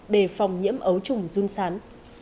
đề phòng nhiễm ấu trùng run sán